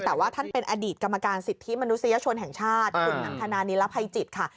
แต่ว่าท่านเป็นอดีตกรรมการสิทธิมนุษยชนแห่งชาติคุณอันทนานิรภัยจิตค่ะ